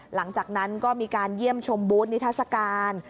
หลังจากนั้นก็มีการเยี่ยมชมบูธนิทัศกาล